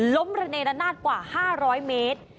ระเนรนาศกว่า๕๐๐เมตร